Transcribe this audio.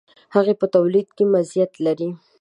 هغه په تولید کې مزیت لري.